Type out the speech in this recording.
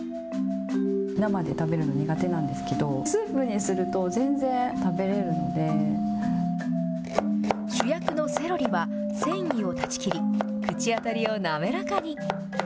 生で食べるの苦手なんですけど、主役のセロリは、繊維を断ち切り、口当たりを滑らかに。